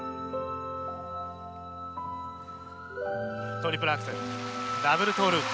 トリプルアクセルダブルトーループ。